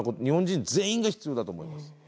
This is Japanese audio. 日本人全員が必要だと思います。